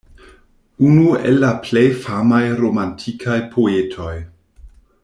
Unu el la plej famaj romantikaj poetoj.